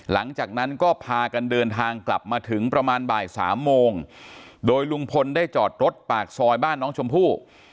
หลังจากนั้นก็พากันเดินทางกลับมาถึงประมาณบ่ายสามโมงโดยลุงพลได้จอดรถปากซอยบ้านน้องชมพู่